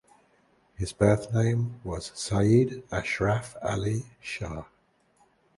His birth name was Syed Ashraf Ali Shah.